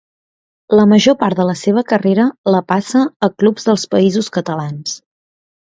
La major part de la seva carrera la passa a clubs dels Països Catalans.